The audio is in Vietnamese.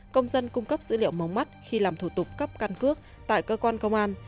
công dân cung cấp dữ liệu mống mắt khi làm thủ tục cấp căn cước tại cơ quan công an